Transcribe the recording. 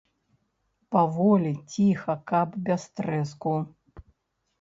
Паволі, ціха, каб без трэску.